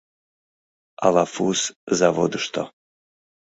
Алафуз заводышто.